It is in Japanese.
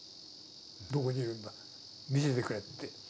僕に言うんだ「見せてくれ」って。